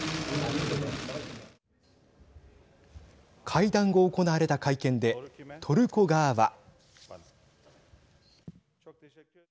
会談後行われた会見でトルコ側は。